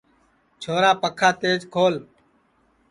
چھورا پکھا تیج کھول